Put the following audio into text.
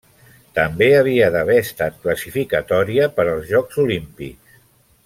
També havia d'haver estat classificatòria per als Jocs Olímpics.